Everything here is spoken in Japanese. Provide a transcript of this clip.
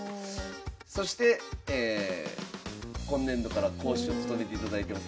そして今年度から講師を務めていただいてます